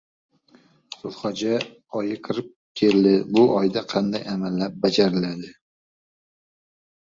Zulhijja oyi kirib keldi. Bu oyda qanday amallar bajariladi?